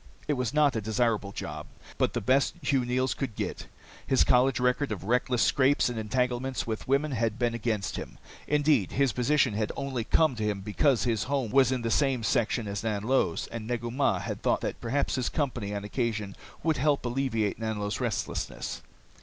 It was not a desirable job, but the best Hugh Neils could get. His college record of reckless scrapes and entanglements with women had been against him. Indeed, this position had only come to him because his home was in the same section as Nanlo's, and Negu Mah had thought that perhaps his company on occasion would help alleviate Nanlo's restlessness.